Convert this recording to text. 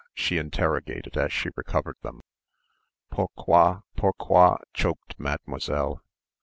she interrogated as she recovered them. "Pourquoi, pourquoi!" choked Mademoiselle.